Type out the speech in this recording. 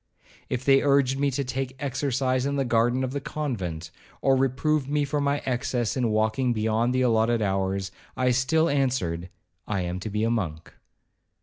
If they urged me to take exercise in the garden of the convent, or reproved me for my excess in walking beyond the allotted hours, I still answered, 'I am to be a monk.'